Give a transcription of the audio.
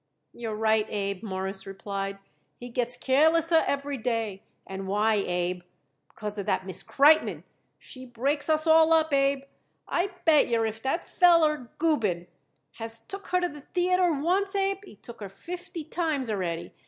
"You're right, Abe," Morris replied. "He gets carelesser every day. And why, Abe? Because of that Miss Kreitmann. She breaks us all up, Abe. I bet yer if that feller Gubin has took her to the theayter once, Abe, he took her fifty times already.